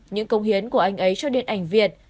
những công hiến của anh ấy cho điện ảnh việt